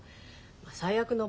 最悪の場合！